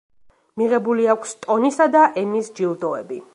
მიღებული აქვს ტონისა და ემის ჯილდოები.